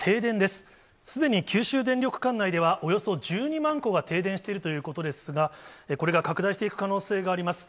すでに九州電力管内ではおよそ１２万戸が停電しているということですが、これが拡大していく可能性があります。